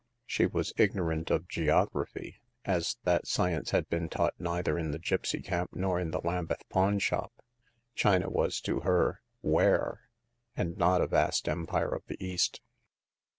She was ignorant of geog raphy, as that science had been taught neither in the gipsy camp nor in the Lambeth pawn shop. China was to her — ware, and not a vast empire of the East.